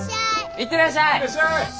行ってらっしゃい！